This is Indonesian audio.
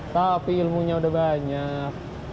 tapi ilmunya udah banyak